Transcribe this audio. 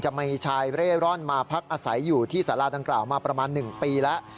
จะมีชายเร่ร่อนมาพักอาศัยอยู่ที่สาราดังกล่าวมาประมาณ๑ปีแล้ว